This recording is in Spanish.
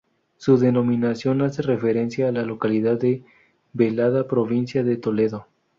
Su denominación hace referencia a la localidad de Velada, provincia de Toledo.